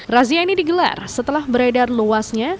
razia ini digelar setelah beredar luasnya